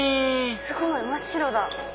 すごい真っ白だ。